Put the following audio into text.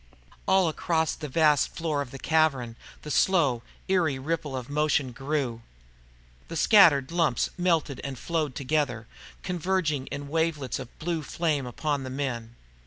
All across the vast floor of that cavern the slow, eerie ripple of motion grew. The scattered lumps melted and flowed together, converging in wavelets of blue flame upon the men.